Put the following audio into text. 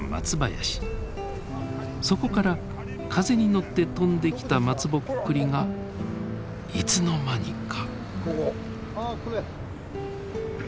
そこから風に乗って飛んできた松ぼっくりがいつの間にか。